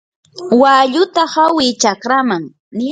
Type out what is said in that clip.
walluta hawi chakraman.